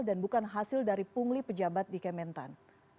dan bukan hasil dari pungli pejabat di kementan